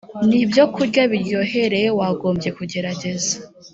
n ibyokurya biryohereye wagombye kugerageza